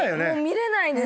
見れないです。